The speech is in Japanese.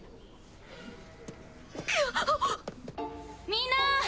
みんな！